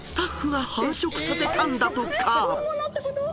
本物ってこと